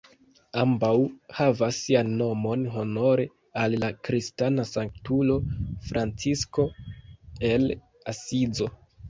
Ambaŭ havas sian nomon honore al la kristana sanktulo Francisko el Asizo.